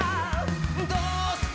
「どうして」